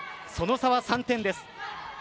その差は３点です。